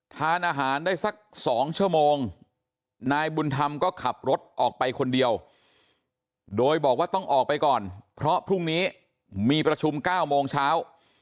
ทานอาหารได้สัก๒ชั่วโมงนายบุญธรรมก็ขับรถออกไปคนเดียวโดยบอกว่าต้องออกไปก่อนเพราะพรุ่งนี้มีประชุม๙โมงเช้า